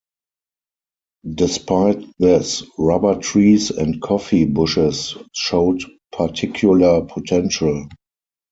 Despite this, rubber trees and coffee bushes showed particular potential.